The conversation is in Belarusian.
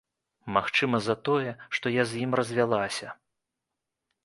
Магчыма, за тое, што я з ім развялася.